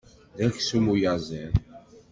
D aksum uyaziḍ.